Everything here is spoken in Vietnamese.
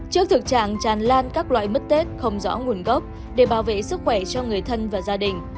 trước thực trạng tràn lan các loại mứt tết không rõ nguồn gốc để bảo vệ sức khỏe cho người thân và gia đình